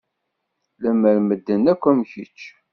Lemmer medden akk am kečč.